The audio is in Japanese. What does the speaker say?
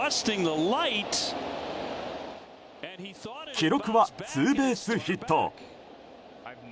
記録はツーベースヒット。